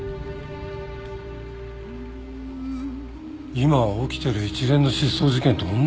今起きてる一連の失踪事件とおんなじだね。